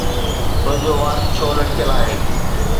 تنهنجو وات ڇو لٽڪيل آهي؟